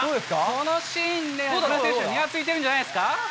このシーンで、渡辺選手、にやついてるんじゃないですか。